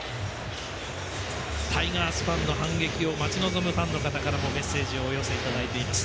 タイガースの反撃を待ち望むタイガースファンの方からもメッセージをお寄せいただいております。